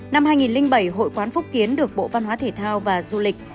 năm hai nghìn bảy hội quán phúc kiến được bộ văn hóa thể thao và du lịch